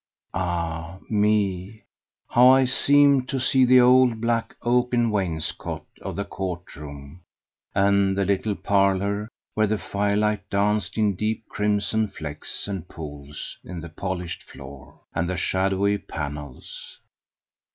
Ah me! how I seem to see the old black oaken wainscot of the court room, and the little parlour where the firelight danced in deep crimson flecks and pools in the polished floor, and the shadowy panels!